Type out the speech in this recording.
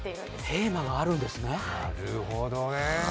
テーマがあるんですね、はーっ。